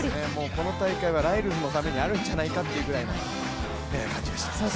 この大会はライルズのためにあるんじゃないかという感じがしました。